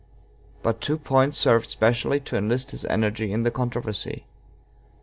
But two points served specially to enlist his energy in the controversy.